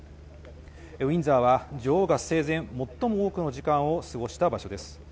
ウィンザーは女王が生前最も多くの時間を過ごした場所です。